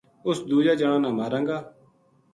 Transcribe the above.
اس دوجا جنا نا ماراں گا